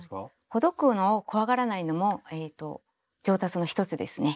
ほどくのを怖がらないのも上達の一つですね。